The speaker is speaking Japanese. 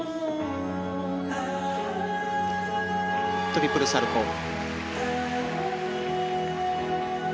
トリプルサルコウ。